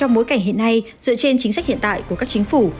trong bối cảnh hiện nay dựa trên chính sách hiện tại của các chính phủ